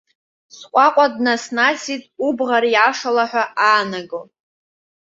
Сҟәаҟәа днаснасит, убӷа риашала ҳәа аанаго.